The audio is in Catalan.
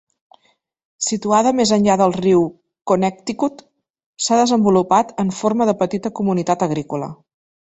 Situada més enllà del riu Connecticut, s'ha desenvolupat en forma de petita comunitat agrícola.